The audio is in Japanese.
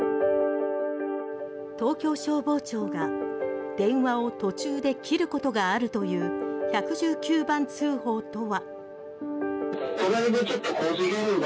東京消防庁が、電話を途中で切ることがあるという１１９番通報とは。